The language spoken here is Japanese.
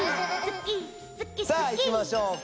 さあいきましょうか。